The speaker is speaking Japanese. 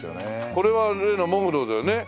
これは例の喪黒だよね。